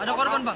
ada korban bang